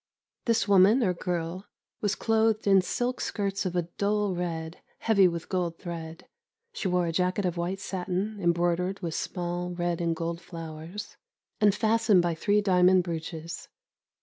This woman, or girl, was clothed in silk skirts of a dull red, heavy with gold thread; she wore a jacket of white satin, embroidered with small red and gold flowers, and fastened by three diamond brooches.